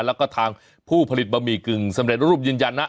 แล้วก็ทางผู้ผลิตบะหมี่กึ่งสำเร็จรูปยืนยันนะ